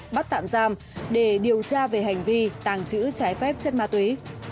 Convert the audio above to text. bắt tạm giam để điều tra về hành vi tàng trữ trái phép chất ma túy